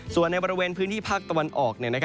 ส่วนในบริเวณพื้นที่ภาคตะวันออก